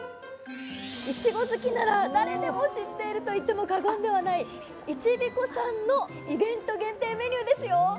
いちご好きなら誰でも知っていると言っても過言ではないＩＣＨＩＢＩＫＯさんのイベント限定メニューですよ。